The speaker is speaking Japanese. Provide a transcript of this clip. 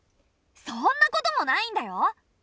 そんなこともないんだよ。